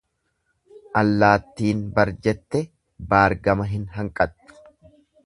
Allattiin bar jette baar gama hin hanqattu.